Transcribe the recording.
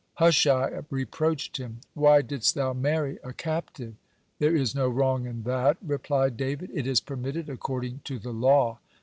Hushai reproached him: "Why didst thou marry a captive?" "There is no wrong in that," replied David, "it is permitted according to the law."